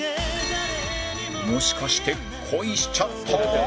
もしかして恋しちゃった？